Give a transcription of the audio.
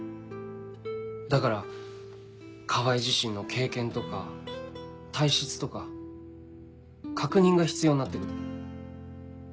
だから川合自身の経験とか体質とか確認が必要になって来る。